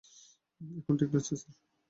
এখন ঠিক লাগছে, স্যার?